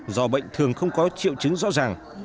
do bệnh thường không có triệu chứng rõ ràng